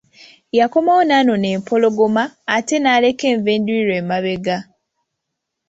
Yakomawo n'anona empologoma ate n'aleka enva endiirwa emabega.